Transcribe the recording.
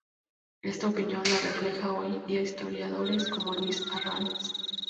Esta opinión la reflejan hoy día historiadores como Luis Arranz.